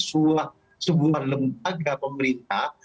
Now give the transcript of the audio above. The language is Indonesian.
sebuah lembaga pemerintah